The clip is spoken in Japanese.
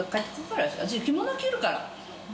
着物着るから。